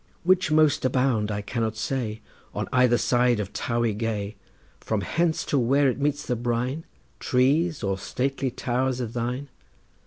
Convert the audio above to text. Which most abound, I cannot say, On either side of Towey gay, From hence to where it meets the brine, Trees or stately towers of thine?